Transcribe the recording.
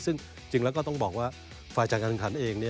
ซึ่งจริงแล้วก็ต้องบอกว่าฝ่ายจัดการขันเอง